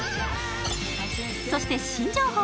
そして新情報！